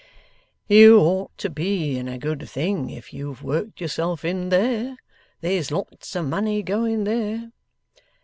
'You ought to be in a good thing, if you've worked yourself in there. There's lots of money going, there.